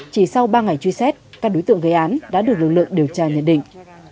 chỉ sau ba ngày truy xét các đối tượng gây án đã được lực lượng điều tra nhận định